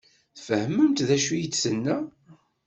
Tfehmemt d acu i d-tenna?